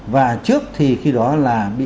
và trước thì khi đó là